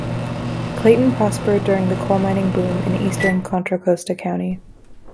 Clayton prospered during the coal mining boom in eastern Contra Costa County.